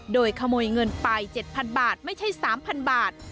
โดยขโมยเงินไป๗๐๐บาทไม่ใช่๓๐๐บาท